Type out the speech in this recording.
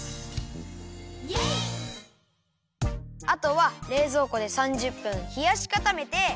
あとはれいぞうこで３０分ひやしかためて。